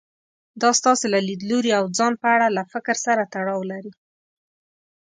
دا ستاسې له ليدلوري او ځان په اړه له فکر سره تړاو لري.